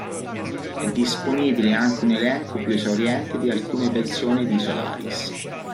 È disponibile anche un elenco più esauriente di alcune versioni di Solaris.